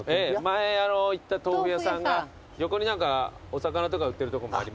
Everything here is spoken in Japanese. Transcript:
前行った豆腐屋さんが横に何かお魚とか売ってるとこもありますんで。